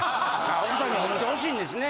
奥さんに褒めてほしいんですね。